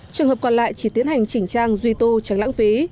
trường hợp còn lại chỉ tiến hành chỉnh trang duy tu tránh lãng phí